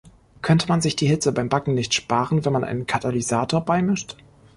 Könnte man sich die Hitze beim Backen nicht sparen, wenn man einen Katalysator beimischt?